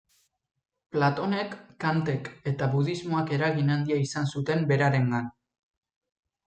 Platonek, Kantek eta budismoak eragin handia izan zuten berarengan.